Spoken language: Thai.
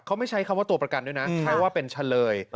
เขาไม่ใช้คำว่าตัวประกันด้วยนะใช้ว่าเป็นเฉลย